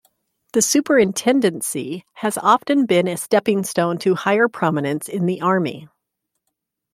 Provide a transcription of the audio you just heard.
The Superintendency has often been a stepping stone to higher prominence in the Army.